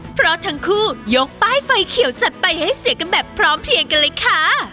เพราะทั้งคู่ยกป้ายไฟเขียวจัดไปให้เสียกันแบบพร้อมเพียงกันเลยค่ะ